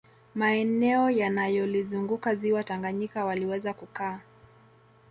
Maeneo yanayolizunguka ziwa Tanganyika waliweza kukaa